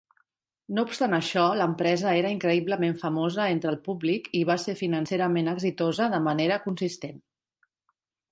No obstant això, l'empresa era increïblement famosa entre el públic i va ser financerament exitosa de manera consistent.